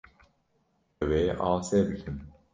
Ew ê asê bikin.